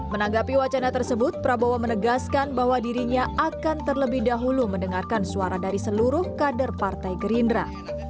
menanggapi wacana tersebut prabowo menegaskan bahwa dirinya akan terlebih dahulu mendengarkan suara dari seluruh kader partai gerindra